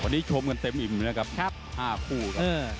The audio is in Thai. วันนี้ชมกันเต็มอิ่มนะครับ๕คู่ครับ